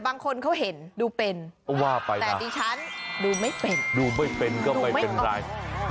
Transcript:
บางคนเขาเห็นดูเป็นก็ว่าไปแต่ดิฉันดูไม่เป็นดูไม่เป็นก็ไม่เป็นไร